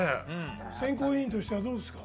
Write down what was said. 選考委員としてはどうですか？